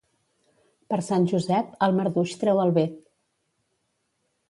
Per Sant Josep, el marduix treu el bec.